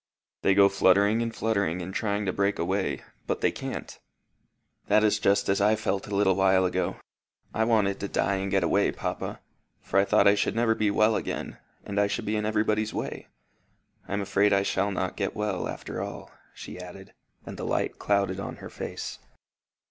They go fluttering and fluttering and trying to break away, but they can't." "That is just as I felt a little while ago. I wanted to die and get away, papa; for I thought I should never be well again, and I should be in everybody's way. I am afraid I shall not get well, after all," she added, and the light clouded on her sweet face.